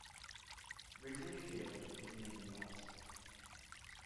Wrigley Field is near the north.